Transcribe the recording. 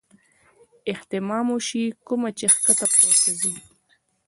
اهتمام اوشي کومه چې ښکته پورته ځي -